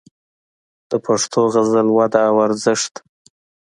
د پښتو غزل وده او ارزښت